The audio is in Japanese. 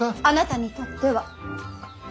あなたにとっては。